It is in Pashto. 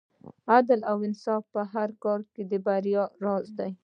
عدل او انصاف په هر کار کې د بریا راز دی.